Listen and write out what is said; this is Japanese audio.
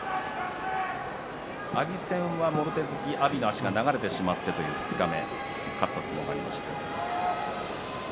阿炎戦はもろ手突き阿炎の足が流れてしまって勝ったという相撲がありました。